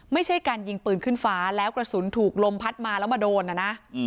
ไม่ใช่การยิงปืนขึ้นฟ้าแล้วกระสุนถูกลมพัดมาแล้วมาโดนนะนะ